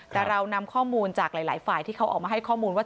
แต่เรานำข้อมูลจากหลายฝ่ายที่เขาออกมาให้ข้อมูลว่า